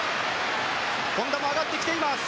本多も上がってきています。